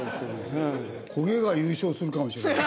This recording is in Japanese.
焦げが優勝するかもしれない。